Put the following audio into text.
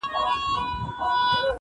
څه پیسې لرې څه زر څه مرغلري-